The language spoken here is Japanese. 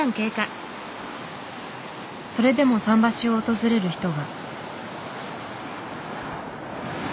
それでも桟橋を訪れる人が。